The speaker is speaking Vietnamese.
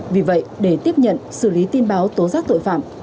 vì vậy để tiếp nhận xử lý tin báo tố giác tội phạm